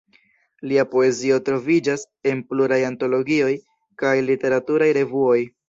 Lia poezio troviĝas en pluraj antologioj kaj literaturaj revuoj.